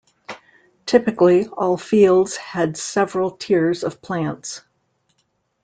Typically, all fields had several tiers of plants.